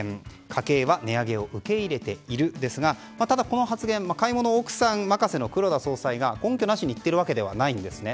家計は値上げを受け入れているですがただこの発言、買い物を奥さん任せの黒田総裁が根拠なしに言っているわけではないんですね。